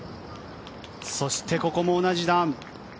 そして、ここも同じラン。